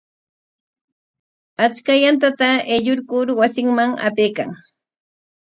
Achka yantata aylluykur wasinman apaykan.